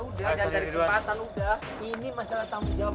udah udah udah ini masalah tanggung jawab